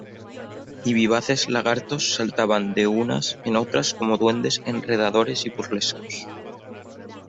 y vivaces lagartos saltaban de unas en otras como duendes enredadores y burlescos.